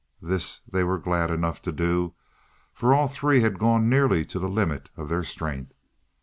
This they were glad enough to do, for all three had gone nearly to the limit of their strength.